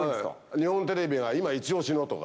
日本テレビが今いち押しのとか。